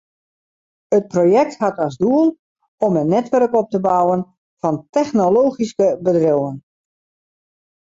It projekt hat as doel om in netwurk op te bouwen fan technologyske bedriuwen.